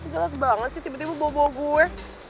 jelas banget sih tiba tiba bawa bawa gue